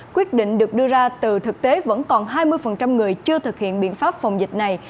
quyết định được đưa ra từ thực tế vẫn còn hai mươi người chưa thực hiện biện pháp phòng dịch này